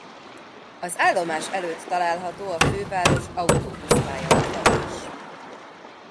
Az állomás előtt található a főváros autóbusz-pályaudvara is.